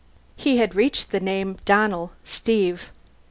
He had reached the name Donnell, Steve.